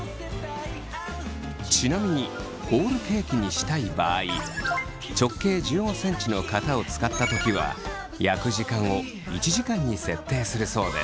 ちなみにホールケーキにしたい場合直径１５ｃｍの型を使った時は焼く時間を１時間に設定するそうです。